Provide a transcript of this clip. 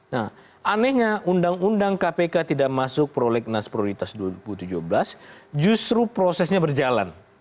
nah anehnya undang undang kpk tidak masuk prolegnas prioritas dua ribu tujuh belas justru prosesnya berjalan